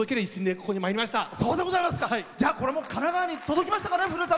これも神奈川に届きましたかね？